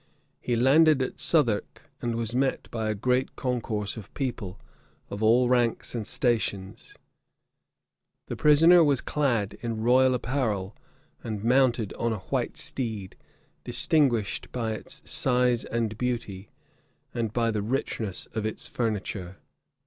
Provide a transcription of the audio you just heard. He landed at Southwark, and was met by a great concourse of people, of all ranks and stations. {1357.} The prisoner was clad in royal apparel, and mounted on a white steed, distinguished by its size and beauty, and by the richness of its furniture.